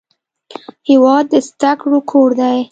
هېواد د زده کړو کور دی.